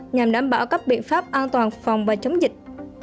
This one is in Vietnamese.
nhằm đảm bảo các biện pháp an toàn phòng và chống dịch